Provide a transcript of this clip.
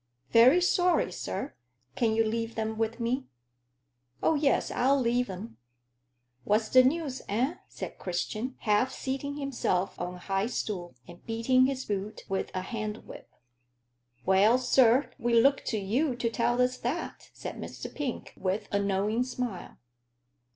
"Very sorry, sir. Can you leave them with me?" "Oh, yes, I'll leave them. What's the news, eh?" said Christian, half seating himself on a high stool, and beating his boot with a hand whip. "Well, sir, we look to you to tell us that," said Mr. Pink, with a knowing smile.